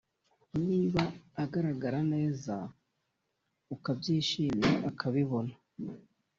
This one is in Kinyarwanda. niba agaragara neza ukabyishimira akabibona